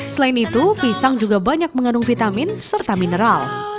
selain itu pisang juga banyak mengandung vitamin serta mineral